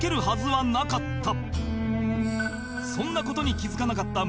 そんな事に気づかなかった